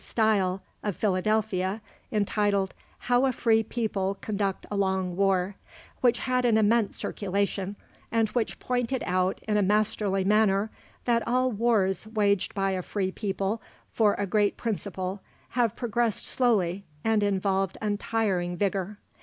Stille of Philadelphia, entitled, "How a Free People conduct a long War," which had an immense circulation, and which pointed out in a masterly manner that all wars waged by a free people for a great principle have progressed slowly and involved untiring vigour.